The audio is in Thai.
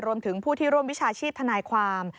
รวมถึงผู้ที่ร่วมวิชาชีพทนายความ